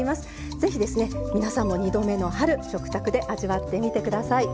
ぜひ、皆さんも２度目の春を食卓で味わってみてください。